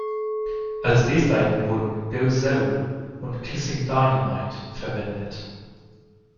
Als B-Seiten wurden "Go Zone" und "Kissin' Dynamite" verwendet.